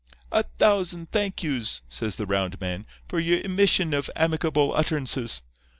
"'A thousand thank yous,' says the round man, 'for your emission of amicable utterances.